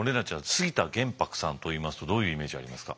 杉田玄白さんといいますとどういうイメージありますか？